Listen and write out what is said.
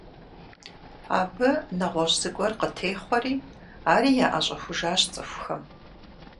Абы нэгъуэщӏ зыгуэр къытехъуэри, ари яӏэщӏэхужащ цӏыхухэм.